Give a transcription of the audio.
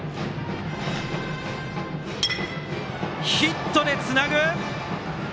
ヒットでつなぐ。